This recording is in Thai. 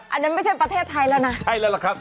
อันนั้นไม่ใช่ประเทศไทยแล้วนะ